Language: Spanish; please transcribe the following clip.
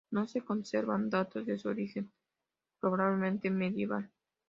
No se conservan datos de su origen, probablemente medieval.